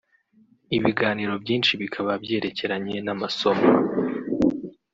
Ibiganiro byinshi bikaba byerekeranye n’amasomo